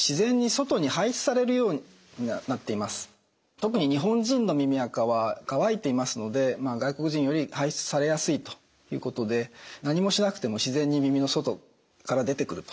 特に日本人の耳あかは乾いていますので外国人より排出されやすいということで何もしなくても自然に耳の外から出てくるということになります。